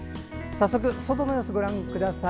早速、外の様子をご覧ください。